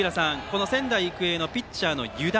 仙台育英のピッチャーの湯田。